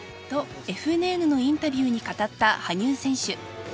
と、ＦＮＮのインタビューに語った羽生選手。